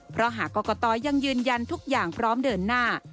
เพราะหากกตยังยืนยันทุกอย่างพร้อมเดินหน้า